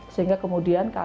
sehingga kemudian kasusnya